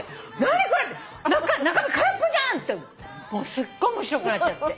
すっごい面白くなっちゃって。